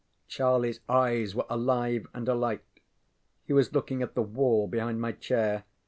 ŌĆØ CharlieŌĆÖs eyes were alive and alight. He was looking at the wall behind my chair.